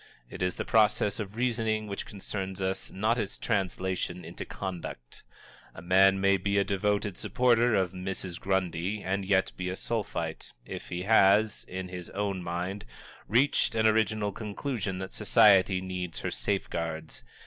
It is the process of reasoning which concerns us, not its translation into conduct. A man may be a devoted supporter of Mrs. Grundy and yet be a Sulphite, if he has, in his own mind, reached an original conclusion that society needs her safeguards.